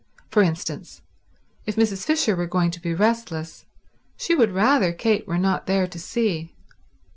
For instance, if Mrs. Fisher were going to be restless, she would rather Kate were not there to see.